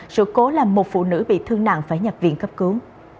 sự cố là một phụ nữ bị thương nạn phải nhập viện cấp cứu